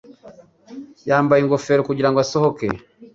Yambaye ingofero kugirango asohoke.